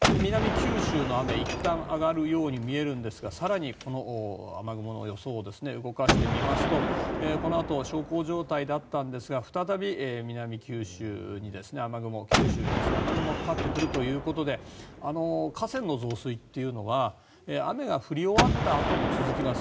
九州の雨はいったん上がるように見えるんですが更に、この雨雲の予想を動かしてみますとこのあと小康状態だったんですが再び南九州に雨雲、九州に雨雲がかかってくるということで河川の増水というのは雨が降り終わったあとも続きます。